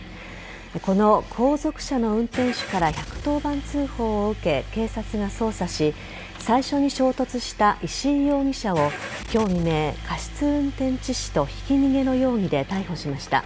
この後続車の運転手から１１０番通報を受け警察が捜査し最初に衝突した石井容疑者を今日未明過失運転致死とひき逃げの容疑で逮捕しました。